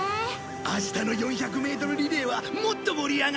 明日の４００メートルリレーはもっと盛り上がりたいな。